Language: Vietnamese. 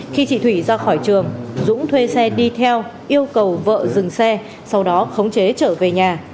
khi chị thủy ra khỏi trường dũng thuê xe đi theo yêu cầu vợ dừng xe sau đó khống chế trở về nhà